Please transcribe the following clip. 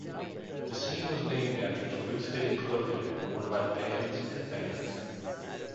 The scene was named after the loose-fitting clothing worn by the bands and fans.